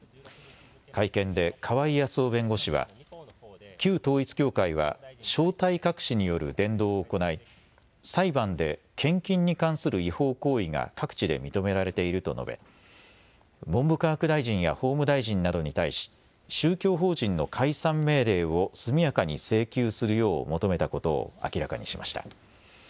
会見で川井康雄弁護士は旧統一教会は正体隠しによる伝道を行い、裁判で献金に関する違法行為が各地で認められていると述べ、文部科学大臣や法務大臣などに対し、宗教法人の解散命令を速やかに請求するよう求めたことを明らかにしました。